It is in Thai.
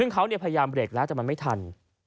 ซึ่งเขาพยายามเบรกแล้วแต่มันไม่ทัน